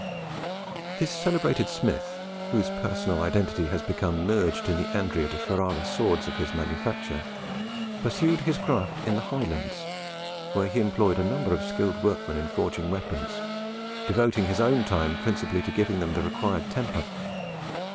This celebrated smith, whose personal identity has become merged in the Andrea de Ferrara swords of his manufacture, pursued his craft in the Highlands, where he employed a number of skilled workmen in forging weapons, devoting his own time principally to giving them their required temper.